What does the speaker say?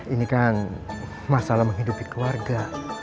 ini kan masalah menghidupi keluarga